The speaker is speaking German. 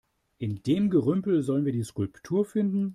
In dem Gerümpel sollen wir die Skulptur finden?